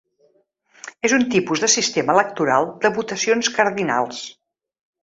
És un tipus de sistema electoral de votacions cardinals.